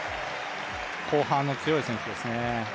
後半、強い選手ですね。